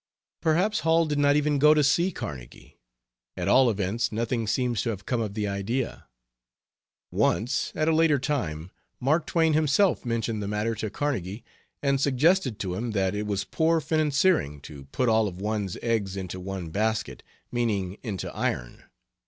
Perhaps Hall did not even go to see Carnegie; at all events nothing seems to have come of the idea. Once, at a later time, Mask Twain himself mentioned the matter to Carnegie, and suggested to him that it was poor financiering to put all of one's eggs into one basket, meaning into iron.